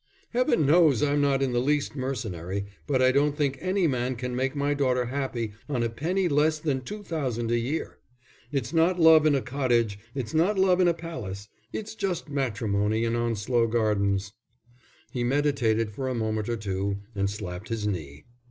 "Heaven knows I'm not in the least mercenary, but I don't think any man can make my daughter happy on a penny less than two thousand a year. It's not love in a cottage, it's not love in a palace, it's just matrimony in Onslow Gardens." He meditated for a moment or two, and slapped his knee.